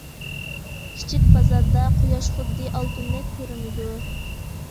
كىچىك بازاردا، قۇياش خۇددى ئالتۇندەك كۆرۈنىدۇ.